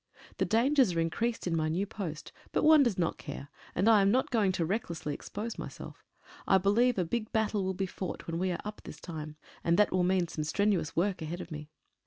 The dangers are increased in my new post, but one does not care, and I am not going to recklessly ex pose myself. I believe a big battle will be fought when we are up this time, and that will mean some strenuous work ahead of me.